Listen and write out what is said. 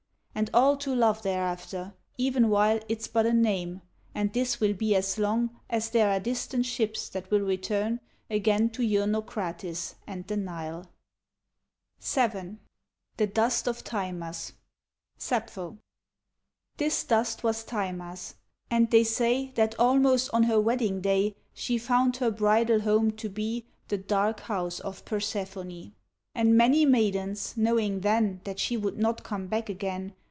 And all to love thereafter, even while It's but a name ; and this will be as long As there are distant ships that will return Again to your Naucratis and the Nile. 176 VARIATIONS OF GREEK THEMES VII THE DUST OF TIMAS {Sappho) This dust was Timas ; and they say That almost on her wedding day She found her bridal home to be The dark house of Persephone. And many maidens, knowing then That she would not come back again.